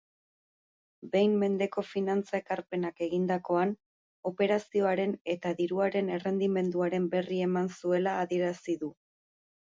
Behin mendeko finantza-ekarpenak egindakoan, operazioaren eta diruaren errendimenduaren berri eman zuela adierazidu.